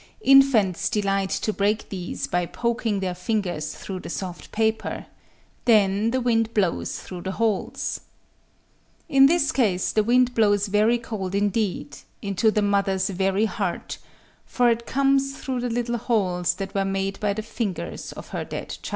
Infants delight to break these by poking their fingers through the soft paper: then the wind blows through the holes. In this case the wind blows very cold indeed,—into the mother's very heart;—for it comes through the little holes that were made by the fingers of her dead child.